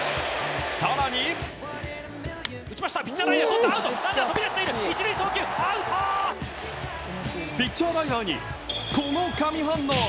更にピッチャーライナーにこの神反応。